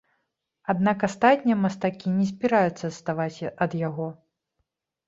Аднак астатнія мастакі не збіраюцца адставаць ад яго.